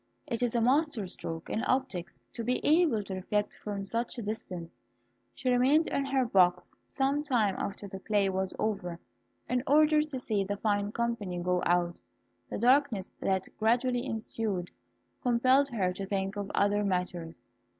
It is a master stroke in optics to be able to reflect from such a distance. She remained in her box some time after the play was over, in order to see the fine company go out. The darkness that gradually ensued compelled her to think of other matters.